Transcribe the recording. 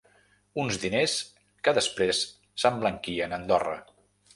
Uns diners que després s’emblanquien a Andorra.